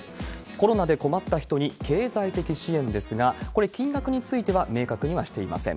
コロナで困った人に経済的支援ですが、これ、金額については明確にはしていません。